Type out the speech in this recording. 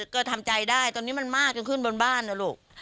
ก็ทำใจได้ตอนนี้มันมากจนขึ้นบนบ้านนะลูก